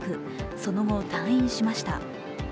その後、退院しました。